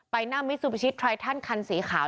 ไปนั่งมิซุปิชิตไททันคันสีขาว